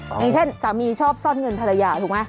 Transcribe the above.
อย่างเช่นสามีชอบซ่อนเงินภรรยาถูกไหม